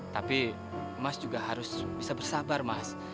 tapi mas juga harus bisa bersabar mas